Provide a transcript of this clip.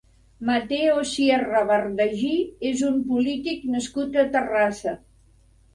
Mateo Sierra Bardají és un polític nascut a Terrassa.